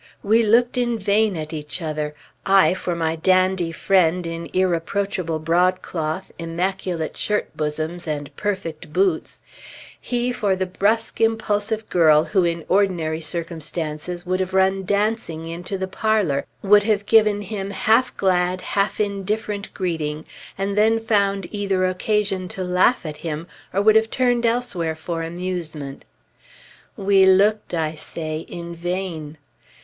We looked in vain at each other; I for my dandy friend in irreproachable broadcloth, immaculate shirt bosoms and perfect boots; he for the brusque, impulsive girl who in ordinary circumstances would have run dancing into the parlor, would have given him half glad, half indifferent greeting, and then found either occasion to laugh at him or would have turned elsewhere for amusement. We looked, I say, in vain.